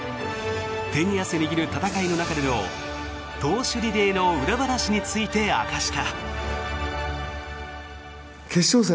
手に汗握る戦いの中での投手リレーの裏話について明かした。